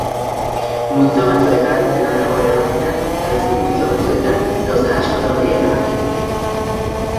Multzo batzuetan dena dago erabakita eta beste multzo batzuetan gauza asko daude erabakitzeke.